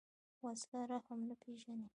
وسله رحم نه پېژني